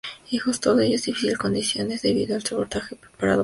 Todo ello en difíciles condiciones, debido al sabotaje preparado por los militares.